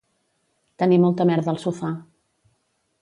Tenir molta merda al sofà